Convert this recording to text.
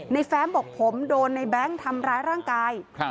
แฟ้มบอกผมโดนในแบงค์ทำร้ายร่างกาย